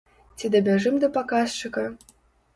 Ці дабяжым да паказчыка?